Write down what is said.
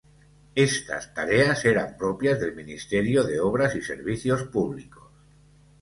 Estas tareas eran propias del Ministerio de Obras y Servicios Públicos.